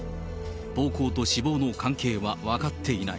暴行と死亡の関係は分かっていない。